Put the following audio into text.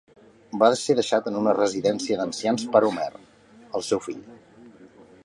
Va ser deixat en una residència d'ancians per Homer, el seu fill.